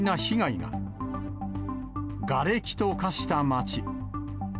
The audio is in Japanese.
がれきと化した町。